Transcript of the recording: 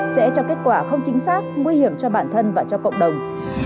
sẽ cho kết quả không chính xác nguy hiểm cho bản thân và cho cộng đồng